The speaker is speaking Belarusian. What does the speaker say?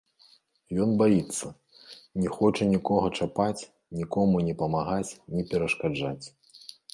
Ён баіцца, не хоча нікога чапаць, нікому ні памагаць, ні перашкаджаць.